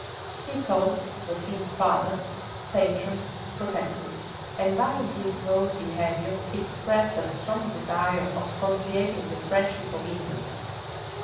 He called the king "father," "patron," "protector;" and by his whole behavior expressed a strong desire of conciliating the friendship of England.